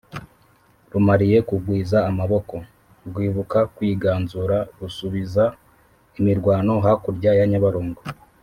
rumariye kugwiza amaboko, rwibuka kwiganzura: rusubiza imirwano hakurya ya nyabarongo,